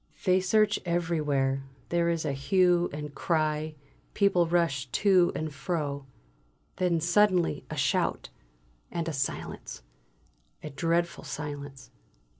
They search everywhere; there is a hue and cry; people rush to and fro. Then suddenly a shout; and a silence, a dreadful silence.